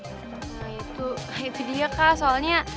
nah itu itu dia kah soalnya